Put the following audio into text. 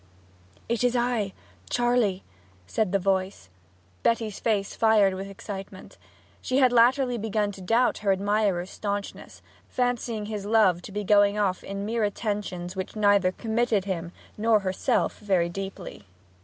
'It is I Charley,' said the voice. Betty's face fired with excitement. She had latterly begun to doubt her admirer's staunchness, fancying his love to be going off in mere attentions which neither committed him nor herself very deeply.